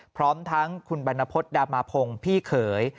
พร้อมทั้งคุณบรรณพฤษดามาพงศ์พี่เขย